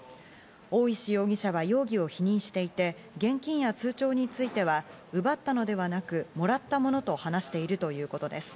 大石容疑者は容疑を否認していて、現金や通帳については奪ったのではなく、もらったものと話しているということです。